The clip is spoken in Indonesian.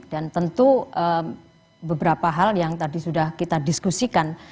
dan tentu beberapa hal yang tadi sudah kita diskusikan